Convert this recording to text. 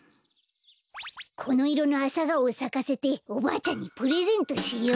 このいろのアサガオをさかせておばあちゃんにプレゼントしよう。